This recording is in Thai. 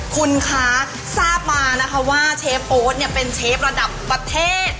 คุณคะทราบมานะคะว่าเชฟโอ๊ตเนี่ยเป็นเชฟระดับประเทศ